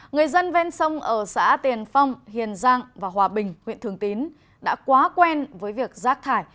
người dân ven sông ở xã tiền phong hiền giang và hòa bình huyện thường tín đã quá quen với việc rác thải